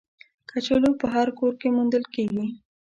کچالو په هر کور کې موندل کېږي